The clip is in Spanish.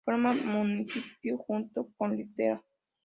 Forma municipio junto con Litera.